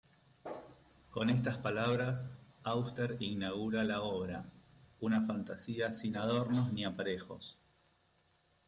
Con estas palabras Auster inaugura la obra, una fantasía sin adornos ni aparejos.